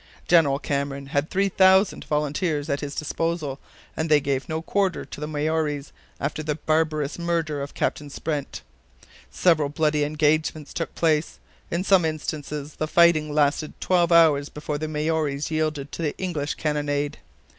General Cameron had three thousand volunteers at his disposal, and they gave no quarter to the Maories after the barbarous murder of Captain Sprent. Several bloody engagements took place; in some instances the fighting lasted twelve hours before the Maories yielded to the English cannonade.